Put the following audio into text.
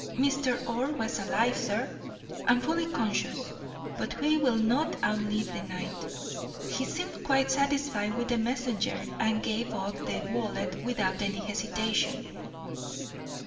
'Mr. Orr was alive, sir, and fully conscious; but he will not outlive the night. He seemed quite satisfied with the messenger and gave up the wallet without any hesitation.'